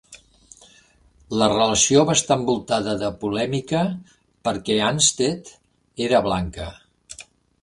La relació va està envoltada de polèmica perquè Anstett era blanca.